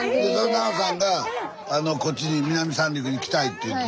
奈緒さんがこっちに南三陸に来たいっていって。